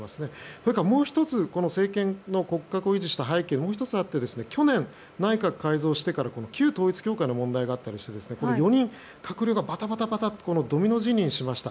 それからもう１つ、政権の骨格を維持した背景が１つあって去年、内閣改造をしてから旧統一教会の問題があったりして４人の閣僚がバタバタとドミノ辞任しました。